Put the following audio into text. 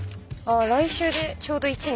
来週でちょうど１年。